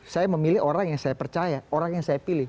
saya memilih orang yang saya percaya orang yang saya pilih